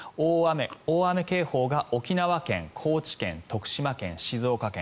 大雨警報が、沖縄県高知県、徳島県、静岡県。